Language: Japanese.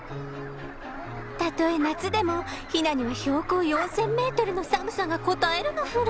たとえ夏でもヒナには標高４，０００ｍの寒さがこたえるのフラ。